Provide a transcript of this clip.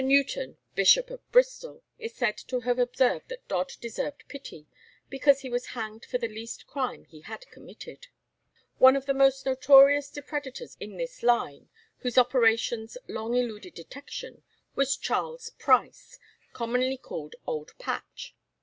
Newton, Bishop of Bristol, is said to have observed that Dodd deserved pity, because he was hanged for the least crime he had committed. One of the most notorious depredators in this line, whose operations long eluded detection, was Charles Price, commonly called Old Patch.